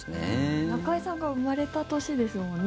中居さんが生まれた年ですもんね。